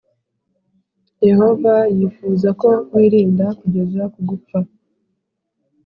Yehova yifuza ko wirinda kugeza kugupfa